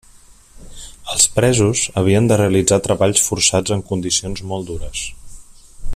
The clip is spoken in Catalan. Els presos havien de realitzar treballs forçats en condicions molt dures.